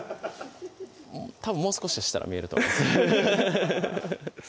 たぶんもう少ししたら見えると思います